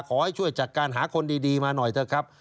ขอให้ช่วยจัดการหาคนดีมาหน่อยเถอะครับ